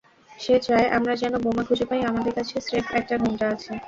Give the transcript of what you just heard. সে চায় আমরা যেনো বোমা খুঁজে পাই আমাদের কাছে স্রেফ এক ঘন্টা আছে।